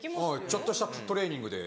ちょっとしたトレーニングで。